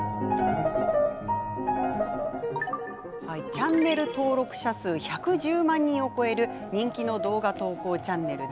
チャンネル登録者数１１０万人を超える人気の動画投稿チャンネル。